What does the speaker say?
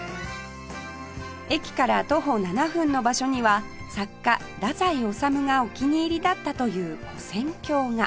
駅から徒歩７分の場所には作家太宰治がお気に入りだったという跨線橋が